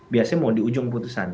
biasanya mau di ujung putusan